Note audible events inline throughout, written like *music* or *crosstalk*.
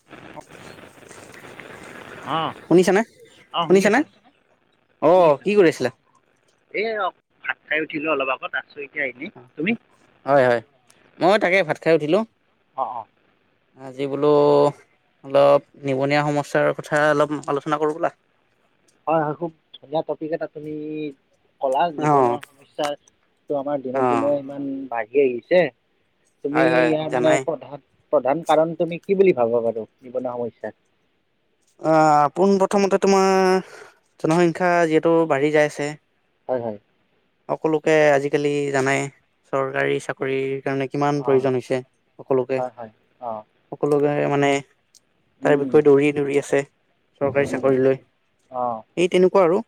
*unintelligible* অঁ'। অঁ শুনিছানে অঁ শুনি শুনিছানে আছোঁ অঁ কি কৰি আছিলা? এ অঁ ভাত খাই উঠিলো অলপ আগত আছোঁ এতিয়া এনেই তুমি? হয়ঁ হয়ঁ ময়ো তাকে ভাত খাই উঠিলোঁ। অঁ, অঁ'। আজি বোলো। অলপ নিবনুৱা সমস্যাৰ কথা অলপ আলোচনা কৰোঁ ব'লা। হয়ঁ হয়ঁ খুব ধুনীয়া টপিকত এটা তুমি ক'লা অ নিবনুৱা সমস্যাৰ- ত আমাৰ অ দিনক দিনে ইমান বাঢ়ি আহিছে তুমি হয় হয় ইয়াৰ মানে জানাই প্ৰধান- প্ৰধান কাৰণ তুমি কি বুলি ভাবা বাৰু নিবনা সমস্যাত। অঁ পোন প্ৰথমতে তোমাৰ জনসংখ্যা যিহেতু বাঢ়ি যাই আছে। হয়ঁ হয়ঁ। সকলোকে আজি কালি জানাই চৰকাৰী চাকৰি কাৰণে- কিমান অঁ প্ৰয়োজন হৈছে সকলোকে, হয় হয় অঁ সকলোকে মানে। তাৰ উম উম বিষয়ে দৌৰি দৌৰি আছে চৰকাৰী উম চাকৰিলৈ এই তেনেকুৱা আৰু।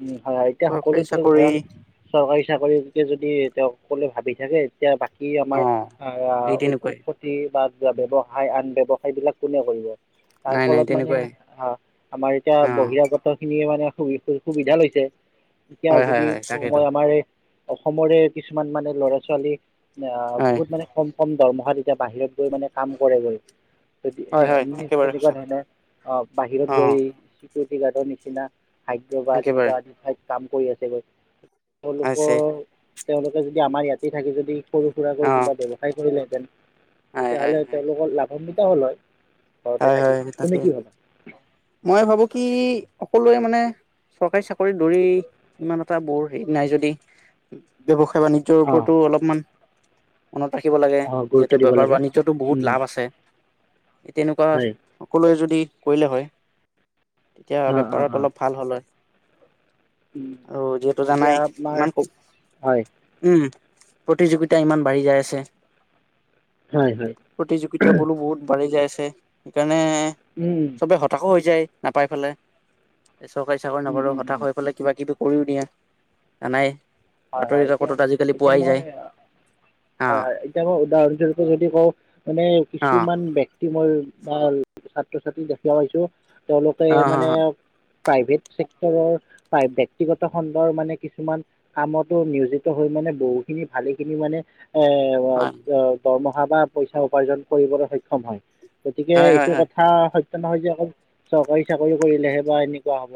উমঁ হয়ঁ এতিয়া চৰকাৰী সকলোতো চাকৰি ধৰা- চৰকাৰী চাকৰিতোকে যদি তেওঁক কলে ভাবি থাকে- এতিয়া বাকী অ আমাৰ আহ এই উদ্যোগ তেনেকুৱাই প তি বা ব্যৱসায় আন ব্যৱসায় বিলাক কোনে কৰিব, তাৰ নাই নাই ফলত মানে তেনেকুৱাই - আমাৰ অ এতিয়া বহিৰাগ ত খিনিয়ে মানে সু সুবিধা লৈছে, এতিয়া হয় হয় যদি হয় ক‌ও তাকেইতো মই আমাৰ এই - অসমৰে কিছুমান মানে ল'ৰা ছোৱালী আহ হয় বহুত মানে কম - কম দৰমহাত এতিয়া বাহিৰত গৈ মানে কাম কৰেগৈ। যদি হয় সে হয় একেবাৰে সেনেকুৱা সঁচা ধৰণৰ অ বাহিৰত - অ ছি ছিকিউৰিটি গাৰ্ডৰ নিচিনা হাইদ্ৰাবাদ একেবাৰে তেনেকুৱা আদি ঠাইত কাম কৰি আছে গৈ - আছে তেওঁলোকৰ তেওঁলোকে যদি আমাৰ ইয়াতে থাকি যদি সৰু অ সুৰাকৈ কিবা ব্যৱ সায় কৰিলেহেঁতেন, হয় হয় তেতিয়াহ'লে হয় তেওঁলোকৰ লাভান্বিত হ'ল হয়। হয় ঘৰতে থাকি, হয় তাকে তুমি কি ভাবা? মই ভাবো কি সকলোৱে মানে - চৰকাৰী চাকৰিত দৌৰি ইমান এটা বৰ হেৰি নাই যদি ব্যৱসায় বাণি জ্যৰ অঁ ওপৰতো অলপমান মনত ৰাখিব লাগে, অঁ গুৰুত্ব যিহেতু দিব বেপাৰ লাগে বানিজ্যটো বহুত লাভ আছে। তেনেকুৱা হয় সকলোৱে যদি কৰিলে হয়, তেতিয়া অঁ অঁ বেপাৰত অঁ অলপ ভাল হ'ল হয়। আৰু যিহেতু এতিয়া জানাই আমাৰ ইমান ক হয় উম, প্ৰতিযোগিতা ইমান বাঢ়ি যাই আছে। হয় হয় প্ৰতিযোগিতা বোলো বহুত বাঢ়ি যাই আছে, সেইকাৰণে - উম। চবে হতাশো হৈ যায় নাপাই পেলাই, এ চৰকাৰী চাকৰি নাপালেও হঠাশ হৈ হয় পেলাই - কিবাকিবি কৰিও দিয়ে, জানাই - বাতৰি হয় এতিয়া কাকতত আজিকালি এতিয়া পোৱাই যায়, মই হা। হয় হয় এতিয়া মই উদাহৰণ স্বৰূপে যদি কওঁ, মানে অ কিছুমান ব্য ক্তি মই বা ছাত্ৰ-ছাত্ৰী দেখা পাইছো, তেওঁলোকে অ এ হ মানে - প্ৰাইভেট ছেক্টৰৰ প্ৰাই ব্যক্তিগত খণ্ডৰ মানে কিছুমান - কামতো নিয়োজিত হৈ মানে বহুখিনি ভালেখিনি মানে এ অ হ - দৰমহা বা পইচা উপাৰ্জন কৰিবলে সক্ষম হয়। গতিকে হয় হয় এইটো ক হয় থা সত্য নহয় যে অকল চৰকাৰী চাকৰি কৰিলেহে বা এনেকুৱা হ'ব।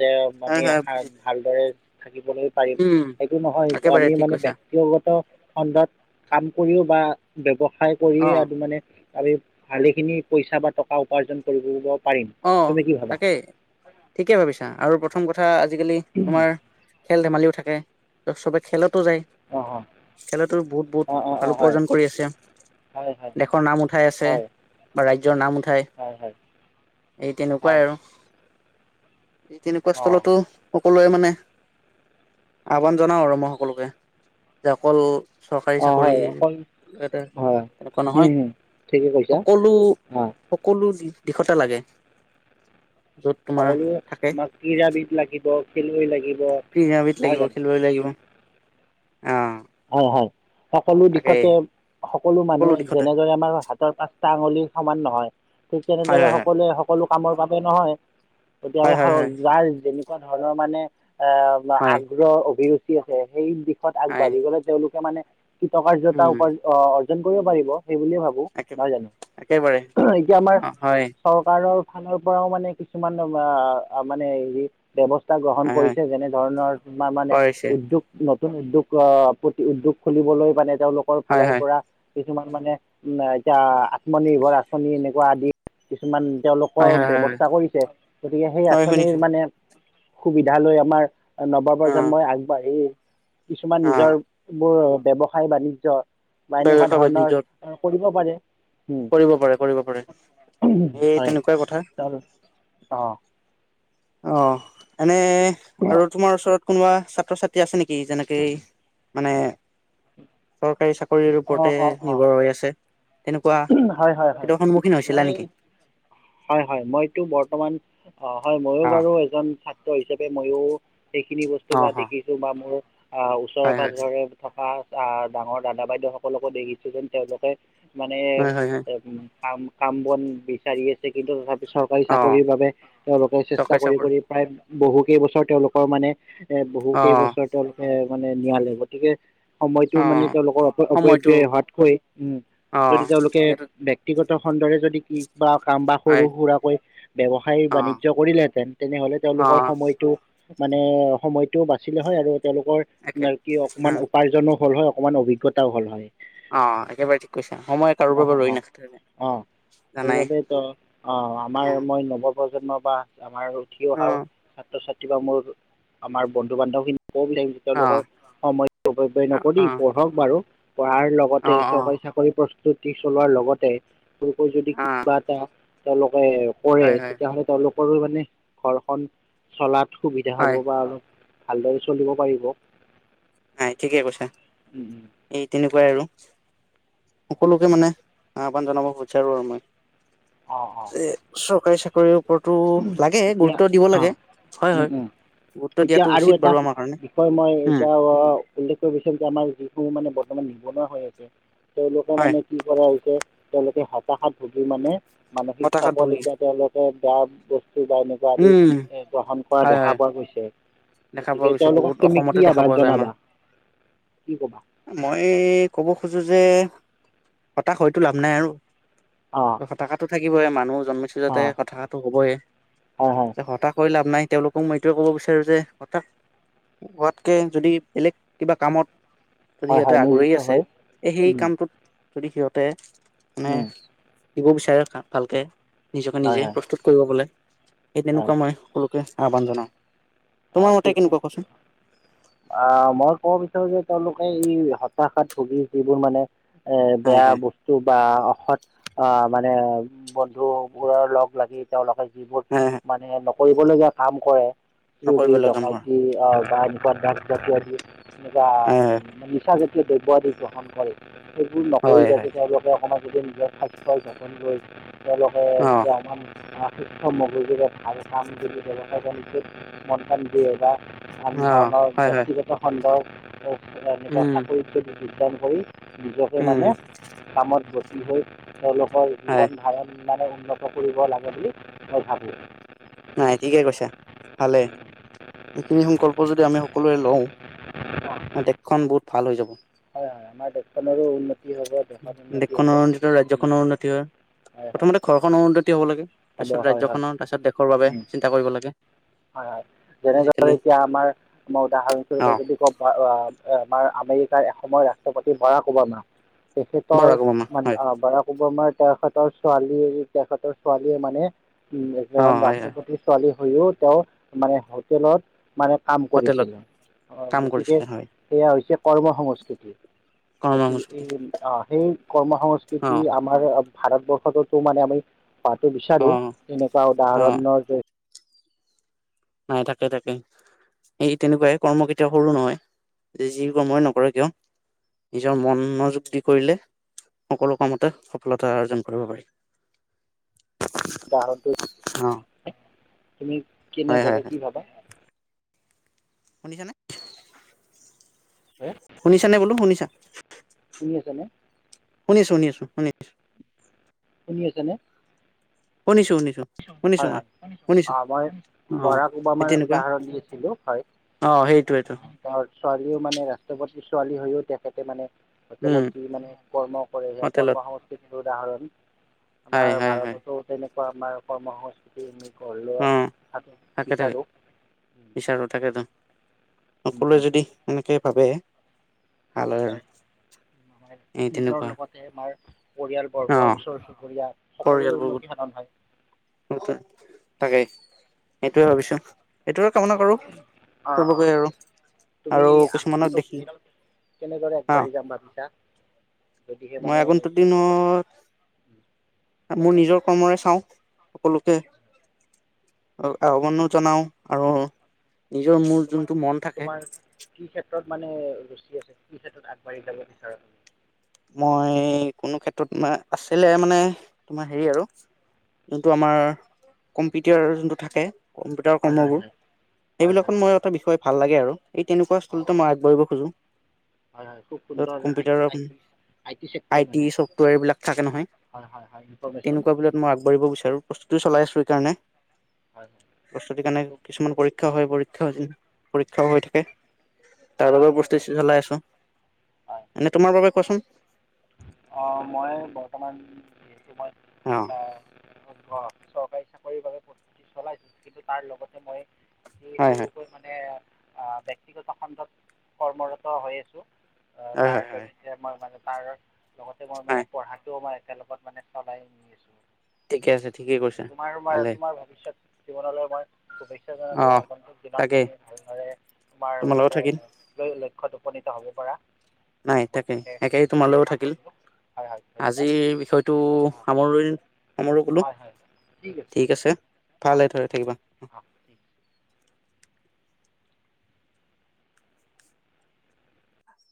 যে আমি হয় হয় হয় এসাঁজ ভালদৰে থাকিবলৈ পাৰিম। উম এইটো নহয় একেবাৰে আমিও ঠিক মানে বেক কৈছা ব্যক্তিগত খণ্ডত কাম কৰিও বা ব্যৱসায় অ কৰিয়ে আদি মানে - তাৰে ভালেখিনি পইচা বা টকা উপাৰ্জন কৰি কৰিব - অ তাকেই ঠিকে ভাবিছা আৰু প্ৰথম কথা আজিকালি তোমাৰ - খেল ধেমালিও থাকে, ত চবে খেলতো যায়। অ খেলটো বহুত বহুত অ অ অ ভাল অ হয় উপাৰ্জন কৰি আছে। হয় হয় দে শৰ নাম উঠাই আছে হয় বা ৰাজ্যৰ নাম উঠাই। হয় হয় এই তেনেকুৱাই হয় আৰু, এই তেনেকুৱা অ স্থলতো - সকলোৱে মানে আহ্বান জনাও আৰু মই সকলোকে, যে অকল - চৰকাৰী অ হয় চাকৰিৰ অকল - যাতে হয় তেনেকুৱা নহয়, হম হম ঠিকে কৈছা সকলো অ - সকলো দি দিশতে লাগে। য'ত তোমাৰ সকলোৱে থাকে আমাক ক্ৰীড়াবিদ লাগিব খেলুৱৈ লাগিব - ক্ৰীড়াবিদ লাগিব খেলুৱৈ লাগিব, অ। হয় হয়, সকলো দিশতে সকলো মানুহে যেনেদৰে আমাৰ হা তৰ পাঁচটা আঙুলি সমান নহয় ঠিক হয় তেনেদৰে হয় সকলোৱে সকলো কামৰ বাবে নহয়। হয় কেতিয়াবা হয় হয় যাৰ যেনেকুৱা ধৰণৰ মানে আহ, হয় হয় আগ্ৰহ অভিৰুচি আছে, সেই দিশত হয় আগবাঢ়ি গ'লে তেওঁলোকে মানে কৃতকাৰ্যতা উম উপাৰ্জন অ, অৰ্জন কৰিব পাৰিব সেই বুলিয়ে ভাবো একে নহয় জানো। একেবাৰে এতিয়া অ আমাৰ হয় চৰকাৰৰ ফালৰ পৰাও মানে কিছুমান অ, মানে হেৰি। ব্যৱস্থা গ্ৰহণ হয় হয় কৰিছে, যেনে ধৰণৰ তোমাৰ মানে কৰিছে উদ্যোগ, নতুন উদ্যোগ আহ, প্ৰতি উদ্যোগ খুলিবলৈ মানে তেওঁলোকৰ হয় ফালৰ হয় পৰা কিছুমান মানে উম, এতিয়া আত্মনিৰ্ভৰ আঁচনি, এনেকুৱা আদি কিছুমান তেওঁলোক হয় হয় হয় হয় ব্যৱস্থা কৰিছে। গতিকে সেই হয় শুনিছো আঁচনিৰ মানে সুবিধা লৈ আমাৰ নৱ- অ প্ৰজন্মই আগবাঢ়ি কিছুমান অ নিজৰ বোৰ বাণিজ্য এনেকুৱা ব্যৱসায় ধৰণৰ বাণিজ্যত অ, কৰিব পাৰে। কৰিব পাৰে, কৰিব পাৰে। এই তেনেকুৱাই কথা। অঁ। অ, এনে অঁ আৰু তোমাৰ ওচৰত কোনোবা ছাত্ৰ- ছাত্ৰী আছে নেকি? যেনেকে মানে চৰকাৰী- চাকৰিৰ অঁ ওপৰতে অঁ অঁ নিৰ্ভৰ হৈ আছে। তেনেকুৱা হয় হয় হয় সেইটোৰ সন্মুখীন হৈছিলা মই নেকি? হয়- হয়, মই সেইতো বৰ্তমান অ, হয়, ময়ো অ', বাৰু এজন ছাত্ৰ হিচাপে ময়ো সেইখিনি বস্তু বা অ', অ', দেখিছোঁ বা মোৰ অ, ওচৰে হয়, হয়, পাজৰে থকা। আহ, ডাঙৰ দাদা বাইদেউ সকলকো দেখিছো যেন তেওঁলোকে মানে হয়, হয়, হয়, কাম- কাম বন বিচাৰি আছে, কিন্তু তথাপিতো পিছ চৰকাৰী অ', চাকৰিৰ বাবে তেওঁলোকে চেষ্টা চৰকাৰী কৰি- চাকৰি কৰি প্ৰায় বহু কেই বছৰ তেওঁলোকৰ মানে এ বহু অ', কেইবছৰ তল তেওঁলোকে মানে নিয়ালে। গতিকে সময়টো মানে অ', তেওঁলোকৰ সময়টো অপব্যয় হোৱাতকৈ উম, অ', যদি তেওঁলোকে যিহেতু তেক ব্যক্তিগত খণ্ডৰে যদি কি বা কাম বা হয়, সৰু- সুৰাকৈ ব্যৱসায় অ', বাণিজ্য কৰিলেহেতেন তেনেহলে তেওঁলোকৰ অ', সময়টো মানে সময়টো বাচিল হয়, আৰু তেওঁলোকৰ একে কি অকমান উক উপাৰ্জনো হল হয়, অকমান অভিজ্ঞতাও হ'ল হয়। অ, একেবাৰে ঠিক কৈছা। সময় অঁ কাৰোবাৰ বাবে ৰৈ নাথাকে। চ অ, আমাৰ অ', মই নৱ প্ৰজন্মৰ বা আমাৰ উঠি অহা অ'। ছাত্ৰ- ছাত্ৰী বা মোৰ আমাৰ বন্ধু বান্ধৱী খিনি কি তেওঁলোকৰ অ', সময় অপব্যয় অ', নকৰি, অ', পঢ়ক বাৰু পঢ়াৰ লগতে অ', অ', চৰকাৰী চাকৰি পৰি প্ৰস্তুতি চলোৱাৰ লগতে যদি অ', কিবা এটা তেওঁলোকে কৰে, হয়, হয়, তেতিয়াহ'লে তেওঁলোকৰো মানে ঘৰখন চলাত সুবিধা হ'ব হয়, বা অলপ ভালদৰে চলিব পাৰিব। হয়, ঠিকে কৈছা। উম, উম। এই তেনেকুৱাই আৰু, সকলোকে মানে আহ্বান জনাব বিচাৰো আৰু মই। অঁ অঁ যে চৰকাৰী চাক ওপৰতো লাগে, এতিয়া গুৰুত্ব দিব লাগে, হয়- হয়। অঁ গুৰুত্ব এতিয়া দিয়াটো আৰু উচিত এটা বাৰু আমাৰ কাৰণে বিষয় মই উম এতিয়া আহ উল্লেখ কৰিছিলোঁ যে আমাৰ যিসমূহ মানে বৰ্তমান নিবনুৱা হৈ আছে তেওঁলোকৰ হয় মানে কি কৰা হৈছে তেওঁলোকে হতাশাত ভুগি মানে মানসিক হতাশাত চাপত ভুগি এতিয়া তেওঁলোকে বেয়া বস্তু বা এনেকা আদি উম এ গ্ৰহণ কৰা হয় দেখা হয় পোৱা গৈছে। দেখা পোৱা যিহেতু গৈছে বহুত তেওঁলোকক তুমি অসমতে দেখা আহ্বান পোৱা যায় আমাৰ। জনাবা কি কবা? মই ক'ব খোজো যে হতাশ হয়তো লাভ নাই আৰু। অ'। হতাসাটো থাকিবই মানুহ জন্মিছো যাতে হতাসাটো হ'বই। হয় যে হতাশ হৈ লাভ নাই তেওঁলোকক মই এইটোৱে ক'ব বিচাৰোঁ যে। হতাশ হোৱাতকৈ যদি বেলেগ কিবা কামত যদি হয় হয় সিহঁতে হয় আগ্ৰহী নিয়োজিত আছে, হৈ এ সেই কামটোত যদি সিহঁতে মানে দিব বিচাৰে ভালকে। নিজকে হয় হয় নিজে প্ৰস্তুত কৰিব *unintelligible* সেই হয় তেনেকুৱা মই সকলোকে আহ্বান জনাও। তোমাৰ অ', মতে ঠিক *unintelligible* কেনেকুৱা কোৱাচোন আহ, মই ক'ব বিচাৰো যে তেওঁলোকে ই হতাশাত ভুগি যিবোৰ মানে এ হয় বেয়া হয় বস্তু বা অসৎ অ', মানে বন্ধু বোৰৰ লগ লাগি তেওঁলোকে যিবোৰ হয়, হয়। মানে নকৰিবলগীয়া কাম কৰে। চুৰি, নকৰিব লগা কাম কৰা ডকাইতি অ', বা এনেকুৱা ড্ৰক্স জাতীয় আদি এনেকুৱা হয় নিচা জা তীয় দ্ৰব্য আদি গ্ৰহণ কৰে, সেইবোৰ হয় নকৰি হয় হয় যাতে তেওঁলোকে অকণমান নিজে নিজৰ স্বাস্থ্য যতন লৈ তেওঁলোকে অ যেতিয়া অলমান অ', সুস্থ মগজুৰে ভাল কাম যদি ব্যৱসায় কৰি মন কাণ দিয়ে বা আন অ ধৰণৰ হয় হয় ব্যক্তিগত খণ্ডৰ এনেকুৱা উম চাকৰিত যদি যোগদান কৰি নিজকে উম মানে কামত গতি হৈ তেওঁলোকৰ হয় জীৱন ধাৰণ মানে উন্নত কৰিব লাগে বুলি, মই ভাবোঁ। নাই ঠিকে কৈছা, ভালেই। এইখিনি সংকল্প যদি আমি সকলোৱে লওঁ। দেশখন বহুত ভাল হৈ যাব। হয়, হয়, আমাৰ দেশখনৰো উন্নতি হ'ব, দেশৰ উন্নতি দেশখনৰ হ'লে উন্নতি আমাৰ ৰাজ্যখনৰ উন্নতি হয়, হয় হয় প্ৰথমতে ঘৰখনৰ উন্নতি হ'ব লাগে, হ'ব তাৰপিছত হয় হয় ৰাজ্যখনৰ, তাৰপিছত দেশৰ বাবে চিন্তা কৰিব লাগে। হয়, হয়, যেনে ধৰ, আজিকালি এতিয়া আমাৰ মই অ উদাহৰণস্বৰূপে যদি ক'ব *unintelligible* এ, আমাৰ আমেৰিকাৰ এসময় ৰাষ্ট্ৰপতি বৰাক ওবামা। বাৰু তেখেতৰ আগমা মানে হয় বৰাক ওবামাৰ বয়সত তেখেতৰ ছোৱালী, তেখেতৰ ছোৱালীয়ে মানে, উম, অ এজন হয় হয় ৰাষ্ট্ৰপতি ছোৱালী হৈয়ো তেওঁ মানে হোটেলত মানে কাম হোটেলত কৰিছিলে, অ', কাম গতিকে কৰিছিলে হয় সেয়া হৈছে কৰ্ম সংস্কৃতি। গতিকে কৰ্মসংস্কৃতি এই, অ', সেই কৰ্ম অ সংস্কৃতি আমাৰ ভাৰতৰবৰ্ষটো তো মানে আমি হোৱাটো অ বিচাৰোঁ, তেনেকুৱা অ উদাহৰণৰ জৰি- নাই, তাকে, তাকে। এই, তেনেকুৱাই কৰ্ম কেতিয়াও সৰু নহয়, যি কৰ্মই নকৰা কিয়। নিজৰ মনোযোগ দি কৰিলে, সকলো কামতে সফলতা আৰ্জন কৰিব পাৰি। *inaudible* *unintelligible* অ তুমি হয় হয় কেনেদৰে হয় কি ভাবা? শুনিছানে? হয়, শুনিছানে বোলো শুনিছা? শুনি আছা নে? শুনিছোঁ, শুনি আছোঁ, শুনি আছোঁ। শুনি আছা নে? শুনিছোঁ, শুনিছোঁ। হয়, হয়, অ', মই অ বৰাক ওবামাৰ উদাহৰণ দি আছিলোঁ হয়। অ'সেইটোৱে টো। অহ ছোৱালীও মানে ৰাষ্ট্ৰপতি ছোৱালী হৈও তেখেতে মানে উম হোটেলতে যি মানে কৰ্ম কৰিলে, হোটেলত কৰ্ম সংস্কৃতিৰ উদাহৰণ হয় আমাৰ হয় হয় ভাৰততো তেনেকুৱা আমাৰ কৰ্ম সংস্কৃতি আমি গঢ় অ লোৱাৰ *unintelligible* বিচাৰোঁ। বিচাৰোঁ তাকেটো, সকলোৱে যদি এনেকে ভাবে ভাল আৰু হয় এই নিজৰ তেনেকুৱা লগতে আমাৰ অ পৰিয়ালবৰ্গ, ওচৰ চুবুৰীয়া সকলোৰে উন্নতি সাধন হয়। *unintelligible* তাকেই সেইটোয়ে ভাবিছোঁ। এইটোৰে কামনা কৰোঁ অঁ চব অঁ গৈ আৰু তুমি আৰু কিছুমানক আগন্তক দেখি দিনত কেনেদৰে হা আগবাঢ়ি যাম ভাবিছা যদিহে মই মানে আগন্তক দিনত মোৰ কোৱাচোন নিজৰ কৰ্মই চাওঁ সকলোকে আৰু আহ্বানো জনাওঁ আৰু নিজৰ মোৰ তোমাৰ, যোনটো মন থাকে তোমাৰ কি ক্ষেত্ৰত মানে ৰুচি আছে? কি ক্ষেত্ৰত আগবাঢ়ি যাব বিচাৰা তুমি? মই, কোনো ক্ষেত্ৰত তোমাৰ আছিলে মানে, তোমাৰ হেৰি আৰু যোনটো আমাৰ, কম্পিউটাৰ যোনটো থাকে কম্পিউটাৰ হয় হয় কৰ্মবোৰ, হয় হয় সেইবিলাকত হয় মোৰ এটা বিষয় ভাল লাগে আৰু এই তেনেকুৱা হয় স্থলতে মই আগবাঢ়িব খোজোঁ। হয় হয়, খুব সুন্দৰ আইডি আইডিয়া আইটি ছফ্টেৱেৰ এইবিলাক থাকে নহয়, হয় হয় হয় ইনফৰমেশ্যন তেনেকুৱা বিলাক মই আগবঢ়িব বিচাৰো। প্ৰস্তুতিও চলাই আছো এইকাৰণে হয় প্ৰস্তুতিৰ কাৰণে খুব কিছুমান পৰীক্ষা হয় পৰীক্ষা পৰীক্ষাও হৈ থাকে। তাৰ হয় বাবেও খুব প্ৰস্তুতি চলাই আছো। হয় এনেই তোমাৰ বাবে কোৱাচোন। অ মই বৰ্তমান যিহেতু মই অ *unintelligible* চৰকাৰী চাকৰি বাবে প্ৰস্তুতি চলাইছো। কিন্তু তাৰ লগতে মই এই হয় হয় সৰুকৈ মানে ব্যক্তিগত খণ্ডত কৰ্মৰত হৈ আছো। হয় তাৰ হয় হয় জৰিয় মই মানে তাৰ লগতে মই মানে হয় পঢ়াটোও মই একেলগত মানে চলাই নি আছো। ঠিকে আছে ঠিকেই কৈছা তোমাৰ মই ভালে তোমাৰ ভৱিষ্যত জীৱনলৈ মই শুভেচ্ শুভেচ্ছা অ জনালো আগন্ত দিনত তাকেই তুমি ভালদৰে তোমাৰো তোমাৰ লগত যাতে থাকিল লক্ষ্যত উপনীত হ'ব পাৰা। নাই মই তাকে একে তোমালৈও কামনা থাক কিল কৰিলোঁ হয় হয় ধন্যবাদ আজিৰ বিষয়টো অঁ সামৰি সামৰো বোলো। ঠিক আছে অঁ ভালে দৰে থাকিবা। অঁ ঠিক আছে